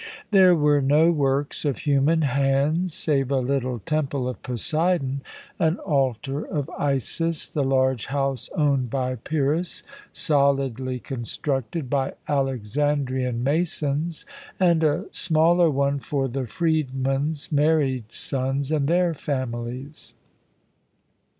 There were no works of human hands save a little Temple of Poseidon, an altar of Isis, the large house owned by Pyrrhus, solidly constructed by Alexandrian masons, and a smaller one for the freedman's married sons and their families.